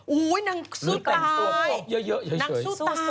โอ้ยนางสู้ตาย